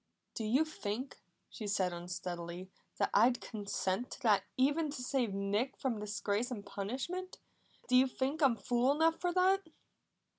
"Do you think," she said unsteadily, "that I'd consent to that even to save Nick from disgrace and punishment? Do you think I'm fool enough for that?"